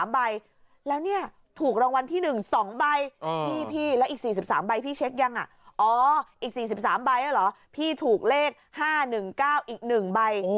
พี่ถูกเลข๕๑๙อีกหนึ่งใบ